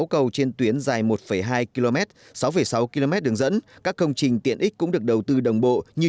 sáu cầu trên tuyến dài một hai km sáu sáu km đường dẫn các công trình tiện ích cũng được đầu tư đồng bộ như